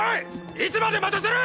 いつまで待たせる！